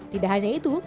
tidak hanya itu